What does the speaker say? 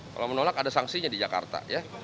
kalau menolak ada sanksinya di jakarta ya